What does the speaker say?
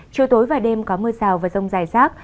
chiều tối và đêm có mưa rào và rông dài rác